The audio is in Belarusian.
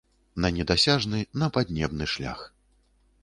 На недасяжны, на паднебны шлях.